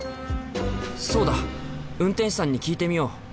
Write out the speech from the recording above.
そうだ運転手さんに聞いてみよう！